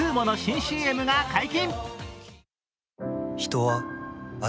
ＣＭが解禁。